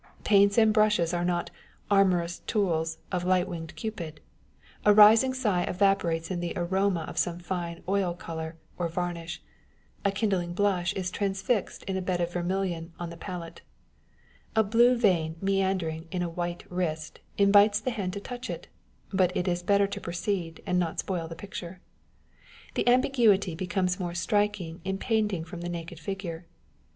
Paints and brushes are not " amorous toys of light winged Cupid ;" a rising sigh evaporates in the aroma of sonic fine oil colour or varnish, a kindling blush is transfixed in a bed of ver milion on â€¢ the palette. A blue vein meandering in a white wrist invites the hand to touch it : but it is better to proceed, and not spoil the picture. The ambiguity be comes more striking in painting from the naked figure.